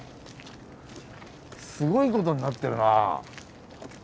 すごいことになってるな。